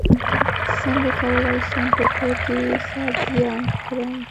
څنګه کولی شم په کور کې سبزیان کرم